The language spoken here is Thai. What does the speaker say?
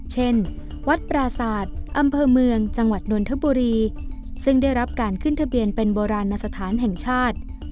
เช่นวัดปราศาสตร์อำเภอเมืองจังหวัดนนทบุรีซึ่งได้รับการขึ้นทะเบียนเป็นโบราณสถานแห่งชาติ